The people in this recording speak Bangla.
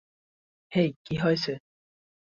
হেই কি হয়েছে?